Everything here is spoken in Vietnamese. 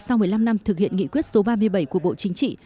sau một mươi năm năm thực hiện nghị quyết số ba mươi bảy của bộ chính trị